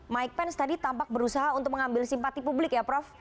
mike pence tadi tampak berusaha untuk mengambil simpati publik ya prof